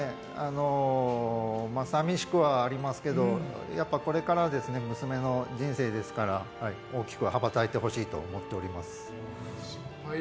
寂しくはありますけどこれからは娘の人生ですから大きく羽ばたいてほしいと思っています。